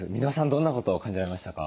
どんなことを感じられましたか？